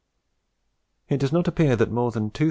It does not appear that more than 2654L.